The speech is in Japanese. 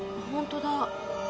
ほんとだ。